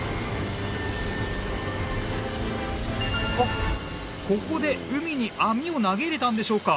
あっここで海に網を投げ入れたんでしょうか？